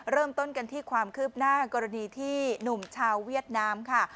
เริ่มต้นกันที่ความคืบหน้ากรณีที่หนุ่มชาวเวียดนามค่ะ